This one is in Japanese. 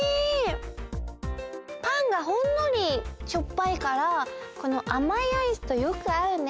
パンがほんのりしょっぱいからこのあまいアイスとよくあうね！